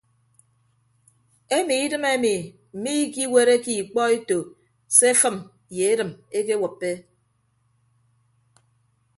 Emi idịm emi miikiwereke ikpọ eto se afịm ye edịm ekewịp.